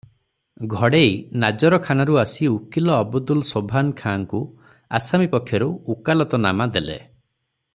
ଘଡ଼େଇ ନାଜରଖାନାରୁ ଆସି ଉକୀଲ ଅବଦୁଲ ଶୋଭାନ ଖାଁଙ୍କୁ ଆସାମୀ ପକ୍ଷରୁ ଉକାଲତନାମା ଦେଲେ ।